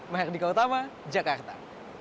meherdika utama jakarta